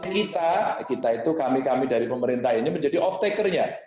kita kita itu kami kami dari pemerintah ini menjadi off takernya